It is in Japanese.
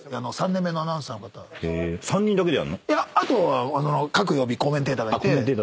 あとは各曜日コメンテーターがいて。